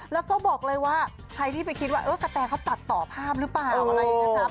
แล้วก็บอกเลยว่าใครที่ไปคิดว่ากระแทาเขาตัดต่อภาพหรือเปล่าอะไรอย่างนี้นะครับ